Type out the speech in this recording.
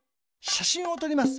しゃしんをとります。